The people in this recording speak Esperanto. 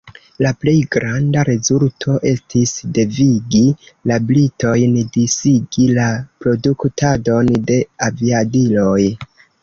La plej granda rezulto estis devigi la britojn disigi la produktadon de aviadiloj.